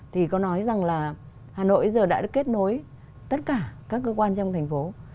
thì có nói rằng là hà nội giờ đã được kết nối tất cả các cơ quan trong thành phố